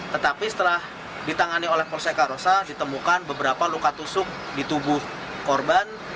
tetapi setelah ditangani oleh polsek karosa ditemukan beberapa luka tusuk di tubuh korban